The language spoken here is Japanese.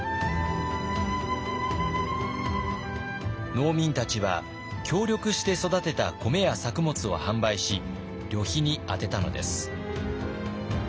農民たちは協力して育てた米や作物を販売し旅費に充てたのです。